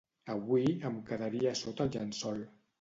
Avui em quedaria a sota el llençol